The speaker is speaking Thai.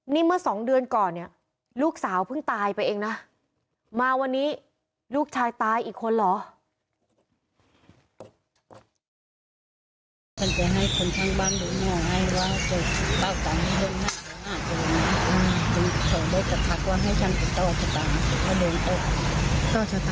นี่เมื่อสองเดือนก่อนเนี่ยลูกสาวเพิ่งตายไปเองนะมาวันนี้ลูกชายตายอีกคนเหรอ